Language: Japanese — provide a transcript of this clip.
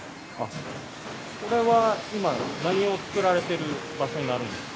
これは今何を作られている場所になるんですか。